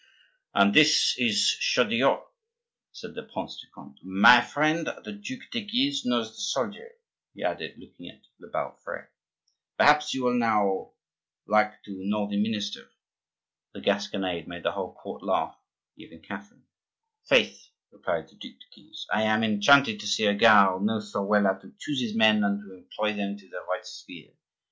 "And this is Chaudieu," said the Prince de Conde. "My friend the Duc de Guise knows the soldier," he added, looking at Le Balafre, "perhaps he will now like to know the minister." This gasconade made the whole court laugh, even Catherine. "Faith!" replied the Duc de Guise, "I am enchanted to see a gars who knows so well how to choose his men and to employ them in their right sphere.